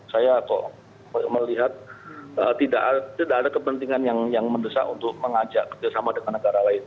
saya kok melihat tidak ada kepentingan yang mendesak untuk mengajak kerjasama dengan negara lain